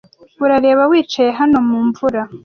"Urareba, wicaye hano mu mvura